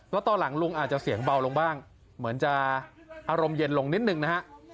แล้วตอนหลังลุงอาจจะเสียงเบาลงบ้างเหมือนจะอารมณ์เย็นลงนิดนึงนะฮะ